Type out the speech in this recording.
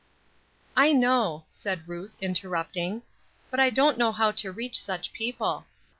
"I know," said Ruth, interrupting. "But I don't know how to reach such people.